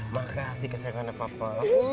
makasih kesayangan papa